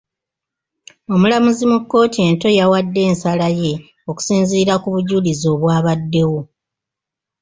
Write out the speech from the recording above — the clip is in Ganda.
Omulamuzi mu kkooti ento yawadde ensala ye okusinziira ku bujulizi obwabaddewo.